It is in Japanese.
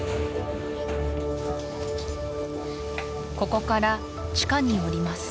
ここから地下に下ります